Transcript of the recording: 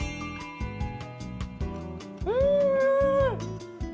うん！